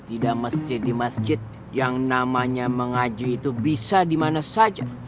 tidak masjid di masjid yang namanya mengaji itu bisa dimana saja